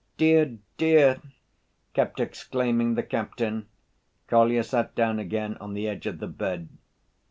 "Dear, dear!" kept exclaiming the captain. Kolya sat down again on the edge of the bed.